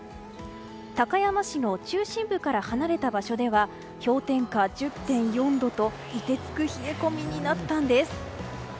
高山市の中心部から離れた場所では氷点下１０．４度と凍てつく冷え込みになったんです。